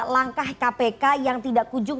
langkah kpk yang tidak kujung